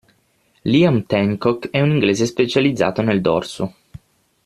Liam Tancock è un inglese specializzato nel dorso.